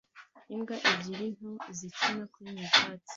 Imbwa ebyiri nto zikina kuri nyakatsi